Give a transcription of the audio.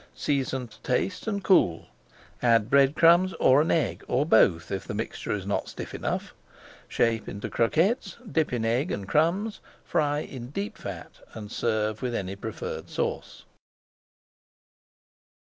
Season to taste and cool. Add bread crumbs or an egg, or both, if the mixture is not stiff enough. Shape into croquettes, dip in egg and crumbs, fry in deep fat, and serve with any preferred sauce.